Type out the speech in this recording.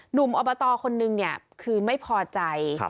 หนุ่มอวตคนนึงเนี่ยคือไม่พอใจ